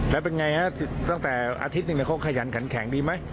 แล้วเป็นไงฮะตั้งแต่อาทิตย์หนึ่งเขาขยันขันแข็งดีไหม